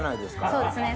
そうですね